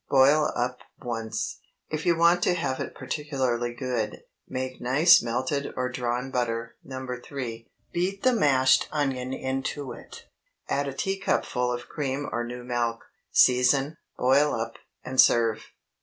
Boil up once. If you want to have it particularly good, make nice melted or drawn butter (No. 3); beat the mashed onion into it; add a teacupful of cream or new milk, season, boil up, and serve.